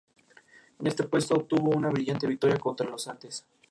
En este puesto, obtuvo una brillante victoria contra los antes.